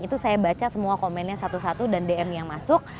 itu saya baca semua komennya satu satu dan dm yang masuk